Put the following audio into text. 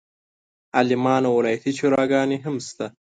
عالمانو ولایتي شوراګانې هم شته.